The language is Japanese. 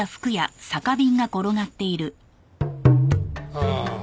ああ。